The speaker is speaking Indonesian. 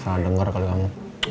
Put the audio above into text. salah denger kali kamu